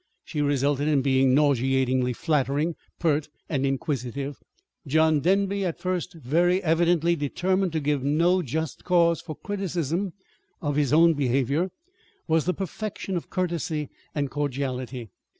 She resulted in being nauseatingly flattering, pert, and inquisitive. John Denby, at first very evidently determined to give no just cause for criticism of his own behavior, was the perfection of courtesy and cordiality.